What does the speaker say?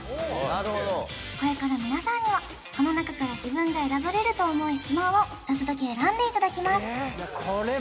・なるほどこれから皆さんにはこの中から自分が選ばれると思う質問を一つだけ選んでいただきます